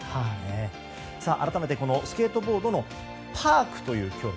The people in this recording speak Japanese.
改めて、スケートボードのパークという競技。